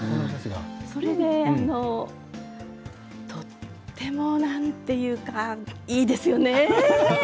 それで、とてもなんというかいいですよね。